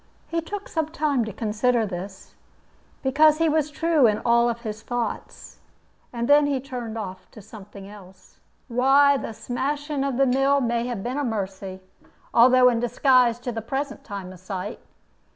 He took some time to consider this, because he was true in all his thoughts; and then he turned off to something else. "Why, the smashing of the mill may have been a mercy, although in disguise to the present time of sight.